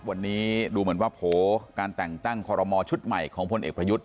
วันนี้ดูเหมือนว่าโผล่การแต่งตั้งคอรมอชุดใหม่ของพลเอกประยุทธ์